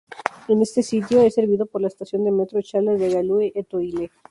Este sitio es servido por la estación de metro Charles de Gaulle-Étoile.